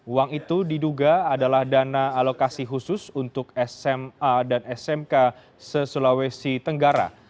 uang itu diduga adalah dana alokasi khusus untuk sma dan smk se sulawesi tenggara